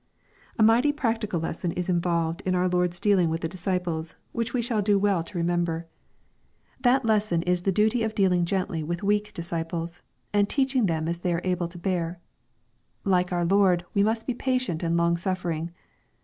A mighty practical lesson is involved in our Lord's dealing with the disciples, which we shall do well to LHKK, CHAP. XXIV. 513 remember. That lesson is the duty of dealing gently with weak disciples, and teaching them as they are able to bear. Like our Lord, we must be patient and long suffering.